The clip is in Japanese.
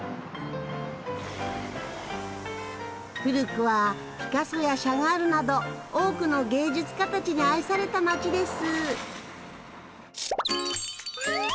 古くはピカソやシャガールなど多くの芸術家たちに愛された街です。